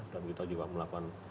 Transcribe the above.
dan kita juga melakukan